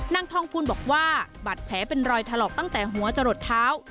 นางทองภูลบอกว่าบาดแผลเป็นรอยถลอกตั้งแต่หัวจะหลดเท้า